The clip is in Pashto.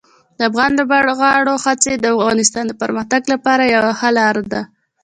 د افغان لوبغاړو هڅې د افغانستان د پرمختګ لپاره یوه ښه لار ده.